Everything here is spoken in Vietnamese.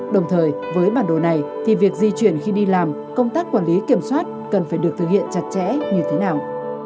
đồng thời với bản đồ này thì việc di chuyển khi đi làm công tác quản lý kiểm soát cần phải được thực hiện chặt chẽ như thế nào